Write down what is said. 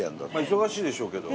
忙しいでしょうけど。